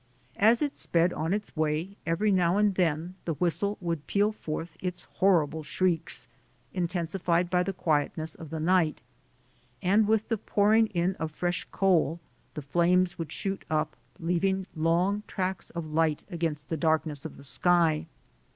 As it sped on its way, every now and then the whistle would peal forth its horrible shrieks, intensified by the quietness of the night ; and with the pouring in of fresh coal, the flames would shoot up, leaving long tracks of light against the darkness of the sky.